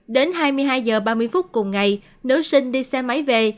đến hai mươi hai h ba mươi phút cùng ngày nữ sinh đi xe máy về